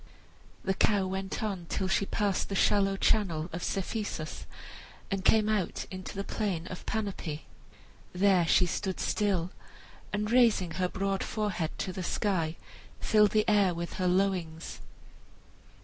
The cow went on till she passed the shallow channel of Cephisus and came out into the plain of Panope. There she stood still, and raising her broad forehead to the sky, filled the air with her lowings.